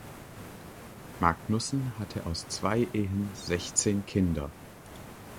Magnussen hatte aus zwei Ehen sechzehn Kinder.